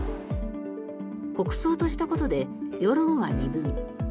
国葬としたことで世論は二分。